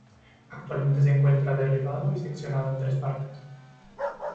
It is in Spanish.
Actualmente se encuentra derribado y seccionado en tres partes.